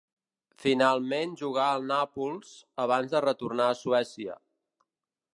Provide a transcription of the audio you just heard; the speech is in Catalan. Finalment jugà al Nàpols, abans de retornar a Suècia.